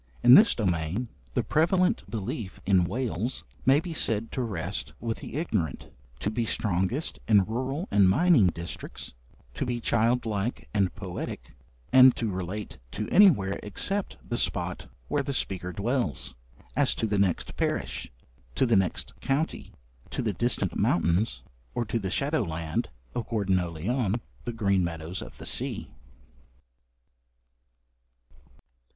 In this domain, the prevalent belief in Wales may be said to rest with the ignorant, to be strongest in rural and mining districts, to be childlike and poetic, and to relate to anywhere except the spot where the speaker dwells as to the next parish, to the next county, to the distant mountains, or to the shadow land of Gwerddonau Llion, the green meadows of the sea.